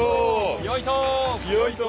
よいと。